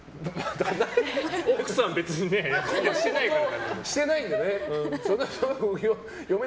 奥さん別に役者してないから。